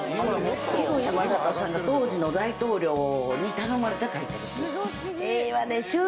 ヒロ・ヤマガタさんが当時の大統領に頼まれて描いてる。